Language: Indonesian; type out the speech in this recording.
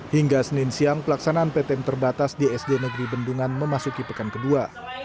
hingga senin siang pelaksanaan ptm terbatas di sd negeri bendungan memasuki pekan kedua